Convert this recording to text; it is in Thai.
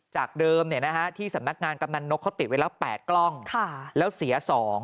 จากเดิมที่สำนักงานกำนันนกเขาติดไว้แล้ว๘กล้องแล้วเสีย๒